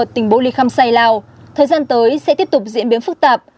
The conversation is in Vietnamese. tỉnh bô ly khăm say lào thời gian tới sẽ tiếp tục diễn biến phức tạp